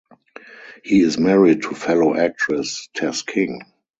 He is married to fellow actress Tess King.